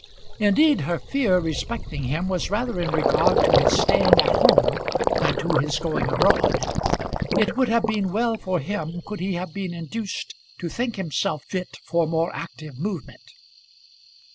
Indeed her fear respecting him was rather in regard to his staying at home than to his going abroad. It would have been well for him could he have been induced to think himself fit for more active movement.